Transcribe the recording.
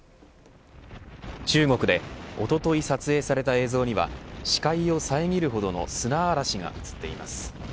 中国でおととい撮影された映像には視界を遮るほどの砂嵐が映っています。